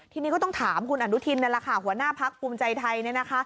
ทีนี้ก็ต้องถามคุณอนุทินหัวหน้าภักร์ภูมิใจไทย